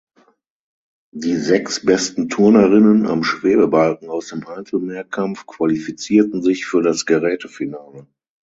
Die sechs besten Turnerinnen am Schwebebalken aus dem Einzelmehrkampf qualifizierten sich für das Gerätefinale.